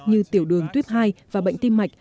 như tiểu đường tuyếp hai và bệnh tim mạch